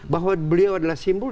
bahwa beliau adalah simbol